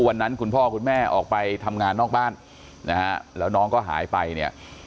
คุณพ่อคุณแม่ออกไปทำงานนอกบ้านนะฮะแล้วน้องก็หายไปเนี่ย